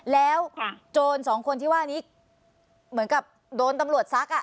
แล้วโจรสองคนที่ว่านี้เหมือนกับโดนตำรวจซักอ่ะ